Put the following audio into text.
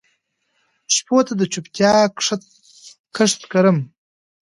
شپو ته د چوپتیا کښت کرم